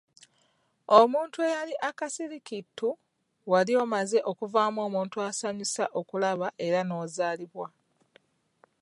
Omuntu eyali akasirikitu, wali omaze okuvaamu omuntu asanyusa okulaba era n'ozaalibwa.